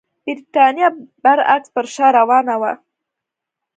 برېټانیا برعکس پر شا روانه وه.